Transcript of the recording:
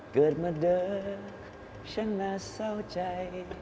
เกิดมาเด้อฉันน่าเศร้าใจ